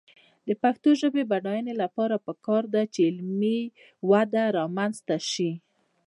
د پښتو ژبې د بډاینې لپاره پکار ده چې علمي وده رامنځته شي.